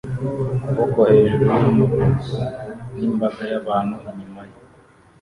ukuboko hejuru yumutuku n'imbaga y'abantu inyuma ye